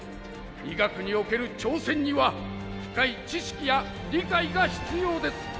医学における挑戦には深い知識や理解が必要です。